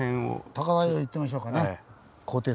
高台をいってみましょうかね。